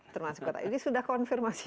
termasuk kota ini sudah konfirmasi